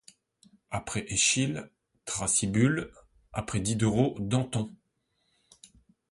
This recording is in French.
Après Eschyle, Thrasybule; après Diderot, Danton.